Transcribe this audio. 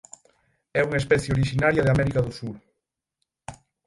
É unha especie orixinaria de América do Sur.